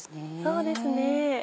そうですね。